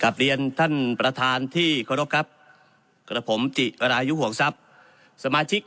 กลับเรียนท่านประธานที่เคารพครับกระผมจิวรายุห่วงทรัพย์สมาชิก